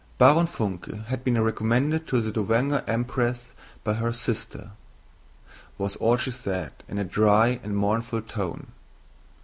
"Baron Funke has been recommended to the Dowager Empress by her sister," was all she said, in a dry and mournful tone.